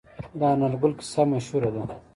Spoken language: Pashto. د انار ګل کیسه مشهوره ده.